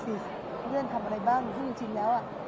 พี่คิดว่าเข้างานทุกครั้งอยู่หรือเปล่า